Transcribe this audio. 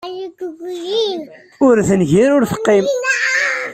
Ur tengir, ur teqqim.